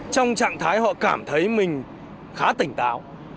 trong trạng thái họ cảm thấy mình khá tỉnh táo